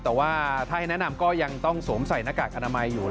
แต่ว่าถ้าให้แนะนำก็ยังต้องสวมใส่หน้ากากอนามัยอยู่